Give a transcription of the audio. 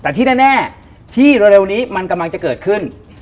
แต่ที่แน่ที่เร็วนี้มันกำลังจะเกิดขึ้น